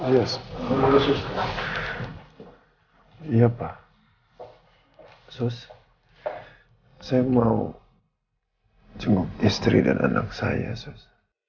yes iya pak sos saya mau cuma istri dan anak saya sus